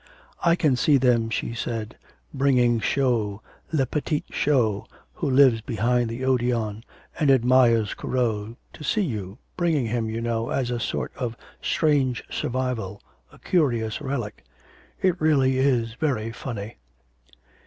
'I can see them,' she said, 'bringing Chose, le petit Chose, who lives behind the Odeon and admires Corot, to see you, bringing him, you know, as a sort of strange survival, a curious relic. It really is very funny.'